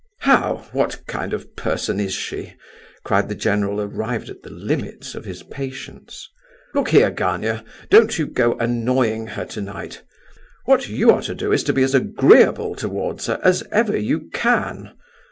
"How? What kind of person is she?" cried the general, arrived at the limits of his patience. "Look here, Gania, don't you go annoying her tonight. What you are to do is to be as agreeable towards her as ever you can.